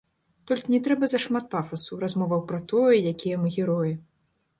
Толькі не трэба зашмат пафасу, размоваў пра тое, якія мы героі.